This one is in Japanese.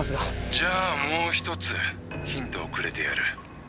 「じゃあもう１つヒントをくれてやる」